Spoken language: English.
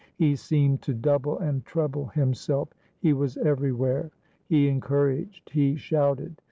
He seemed to double and treble him self: he was everywhere. He encouraged; he shouted.